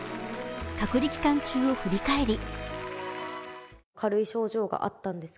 隔離期間中を振り返り